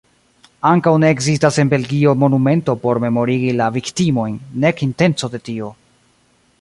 Ankaŭ ne ekzistas en Belgio monumento por memorigi la viktimojn, nek intenco de tio.